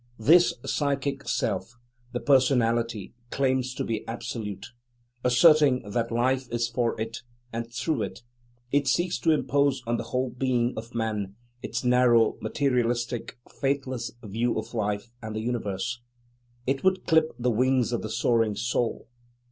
This psychic self, the personality, claims to be absolute, asserting that life is for it and through it; it seeks to impose on the whole being of man its narrow, materialistic, faithless view of life and the universe; it would clip the wings of the soaring Soul.